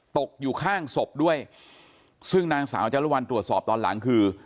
ตกอยู่ข้างศพด้วยซึ่งนางสาวจารุวัลตรวจสอบตอนหลังคือ